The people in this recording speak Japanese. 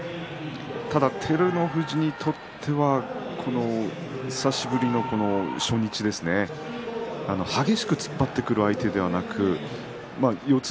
ただ照ノ富士にとっては久しぶりの初日激しく突っ張ってくる相手ではなく四つ